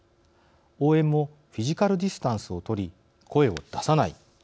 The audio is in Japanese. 応援もフィジカルディスタンスを取り声を出さない。